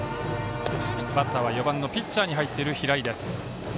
バッターは４番のピッチャーに入っている、平井。